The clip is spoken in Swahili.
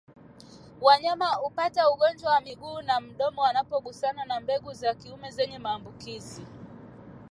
Wanyama hupata ugonjwa wa miguu na midomo wanapogusana na mbegu za kiume zenye maambukizi